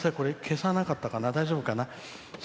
消さなかったかな、大丈夫かな。